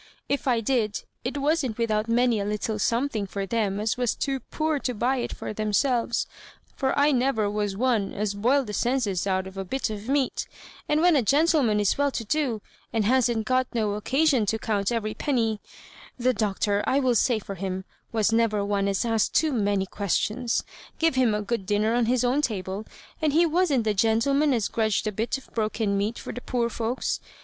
"If I did, it wasn't without many a little something for them as was too poor to buy it for themselves — for I never was one as boiled the senses out of a bit of meat ; and when a gentleman is well to do, and hasn't got no occasion to count every penny The Doctor, I will say for him, was never one as asked too many questions. Give him a good dinner on his own table, and he wasn*t the gentle man as grudged a bit of broken meat for the poor folios.